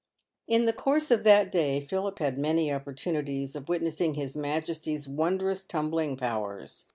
In the course of that day Philip had many opportunities of witness ing his majesty's wondrous tumbling powers.